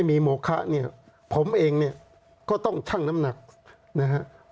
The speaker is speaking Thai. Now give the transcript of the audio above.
มีโมคะเนี่ยผมเองเนี่ยก็ต้องชั่งน้ำหนักนะฮะ